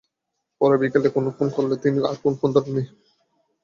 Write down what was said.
পরে বিকেলে আবার ফোন করলে তিনি আর ফোন ধরেননি।